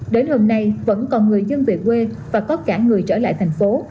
đến hôm nay vẫn còn người dân về quê và có cả người trở lại thành phố